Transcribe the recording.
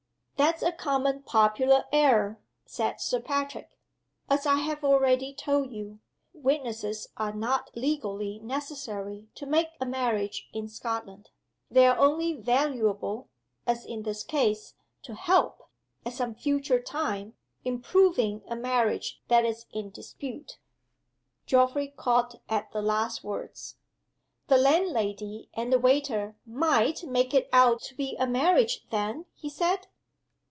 "That is a common popular error," said Sir Patrick. "As I have already told you, witnesses are not legally necessary to make a marriage in Scotland. They are only valuable as in this case to help, at some future time, in proving a marriage that is in dispute." Geoffrey caught at the last words. "The landlady and the waiter might make it out to be a marriage, then?" he said.